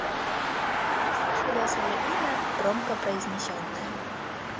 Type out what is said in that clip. Вдруг услышал я свое имя, громко произнесенное.